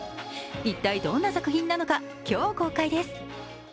一体どんな作品なのか今日公開です。